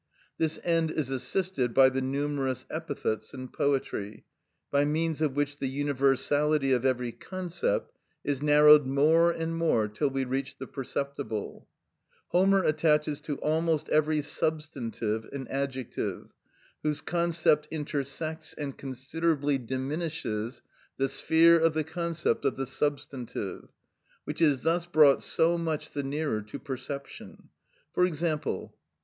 This end is assisted by the numerous epithets in poetry, by means of which the universality of every concept is narrowed more and more till we reach the perceptible. Homer attaches to almost every substantive an adjective, whose concept intersects and considerably diminishes the sphere of the concept of the substantive, which is thus brought so much the nearer to perception: for example— "Εν δ᾽ επεσ᾽ Ωκεανῳ λαμπρον φαος ἡελιοιο, Ἑλκον νυκτα μελαιναν επι ζειδωρον αρουραν."